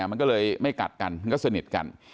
มันก็เลยไม่กัดกันมันก็สนิทกัน